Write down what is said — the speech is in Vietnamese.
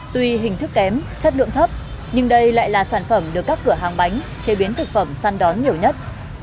tuy hình thức kém chất lượng thấp nhưng đây lại là sản phẩm được các cửa hàng bánh chế biến thực phẩm săn đón nhiều nhất